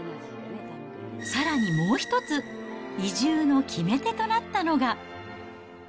さらにもう一つ、移住の決め手となったのが。